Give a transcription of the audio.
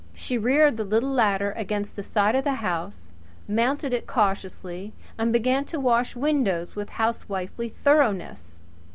She reared the little ladder against the side of the house mounted it cautiously, and began to wash windows: with housewifely thoroughness.